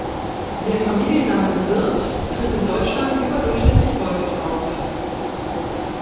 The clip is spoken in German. Der Familienname "Wirth" tritt in Deutschland überdurchschnittlich häufig auf.